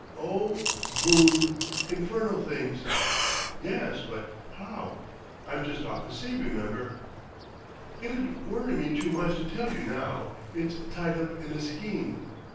"Oh! Boom!—infernal things." "Yes, but—how? I'm just off the sea, remember." "It'd worry me too much to tell you now. It's tied up in a skein."